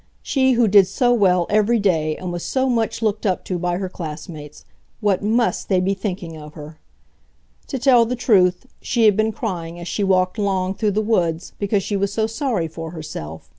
She who did so well every day and was so much looked up to by her classmates, what MUST they be thinking of her! To tell the truth, she had been crying as she walked along through the woods, because she was so sorry for herself.